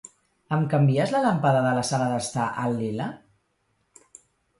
Em canvies la làmpada de la sala d'estar al lila?